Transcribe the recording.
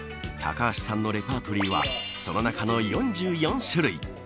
高橋さんのレパートリーはその中の４４種類。